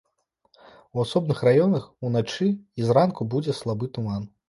У асобных раёнах уначы і зранку будзе слабы туман.